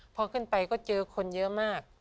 พอขึ้นไปก็เจอคนเยอะมาก